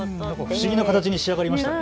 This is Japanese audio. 不思議な形に仕上がりましたね。